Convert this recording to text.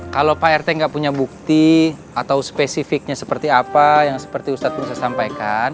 kalau pak rt nggak punya bukti atau spesifiknya seperti apa yang seperti ustadz bisa sampaikan